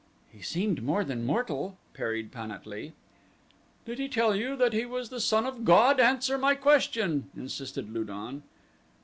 "He seemed more than mortal," parried Pan at lee. "Did he tell you that he was the son of god? Answer my question," insisted Lu don.